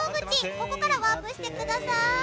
ここからワープしてください。